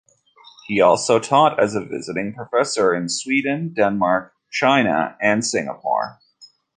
He also taught as a visiting professor in Sweden, Denmark, China, and Singapore.